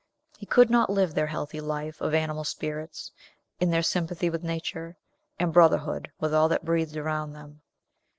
He could not live their healthy life of animal spirits, in their sympathy with nature, and brotherhood with all that breathed around them.